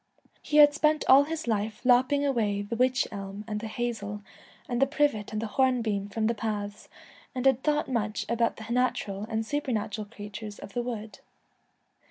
He had spent all his life lopping away the witch elm and the hazel and the privet and the horn beam from the paths, and had thought much about the natural and supernatural creatures of the wood.